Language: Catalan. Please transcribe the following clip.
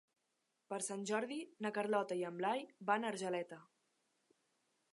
Per Sant Jordi na Carlota i en Blai van a Argeleta.